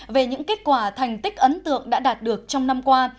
về những kết quả thành tích ấn tượng đã đạt được trong năm qua